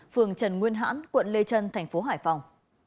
phường trần nguyên hãn quận lê trân thành phố hải phòng